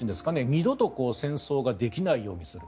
二度と戦争ができないようにする。